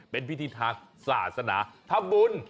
เป็นพิธีทางศาสนาทำบุญ